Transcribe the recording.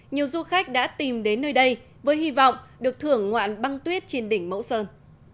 nhiều du khách đã tìm đến nơi đây với hy vọng được thưởng ngoạn băng tuyết trên đỉnh mẫu sơn